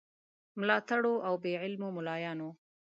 ملاتړو او بې علمو مُلایانو.